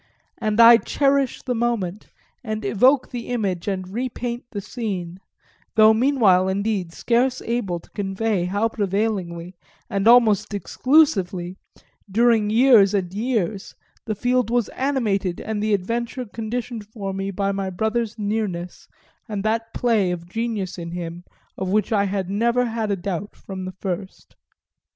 And I cherish the moment and evoke the image and repaint the scene; though meanwhile indeed scarce able to convey how prevailingly and almost exclusively, during years and years, the field was animated and the adventure conditioned for me by my brother's nearness and that play of genius in him of which I had never had a doubt from the first.